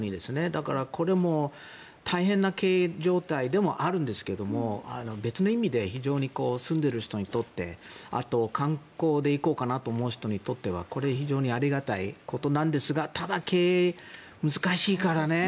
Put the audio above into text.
だから、これも大変な経営状態でもあるんですけど別の意味で非常に住んでいる人にとってあと観光で行こうかなと思う人にとってはこれは非常にありがたいことなんですがただ、経営難しいからね。